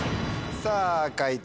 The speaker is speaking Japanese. さぁ解答